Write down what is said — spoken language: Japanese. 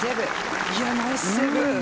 ナイスセーブ。